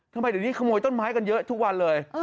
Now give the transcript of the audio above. ทำไมเดี๋ยวนี้ขโมยต้นไม้กันเยอะทุกวันเลย